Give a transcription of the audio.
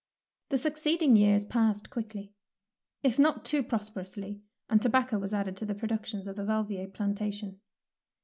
The succeeding years passed quickly, if not too prosperously, and tobacco was added to the productions of the Valvier plantation.